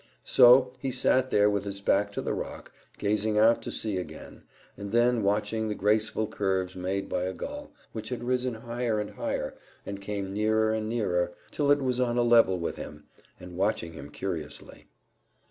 So he sat there with his back to the rock, gazing out to sea again, and then watching the graceful curves made by a gull, which had risen higher and higher, and came nearer and nearer, till it was on a level with him, and watching him curiously.